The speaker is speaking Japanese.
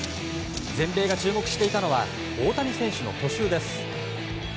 全米が注目していたのは大谷選手の去就です。